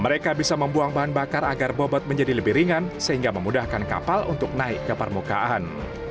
mereka bisa membuang bahan bakar agar bobot menjadi lebih ringan sehingga memudahkan kapal untuk naik ke permukaan